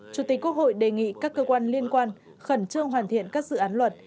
chủ tịch quốc hội đề nghị các cơ quan liên quan khẩn trương hoàn thiện các dự án luật